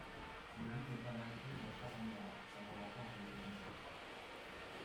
Le loup n’est pas non plus un charognard, comme on l’entend régulièrement.